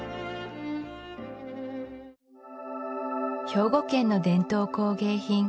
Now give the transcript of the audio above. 兵庫県の伝統工芸品